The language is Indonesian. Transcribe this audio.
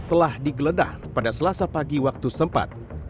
telah digeledah pada selasa pagi waktu setempat